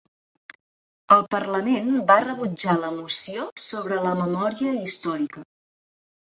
El Parlament va rebutjar la moció sobre la memòria històrica.